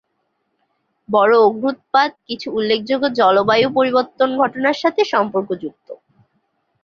বড়ো অগ্ন্যুৎপাত কিছু উল্লেখযোগ্য জলবায়ু পরিবর্তন ঘটনার সাথে সম্পর্কযুক্ত।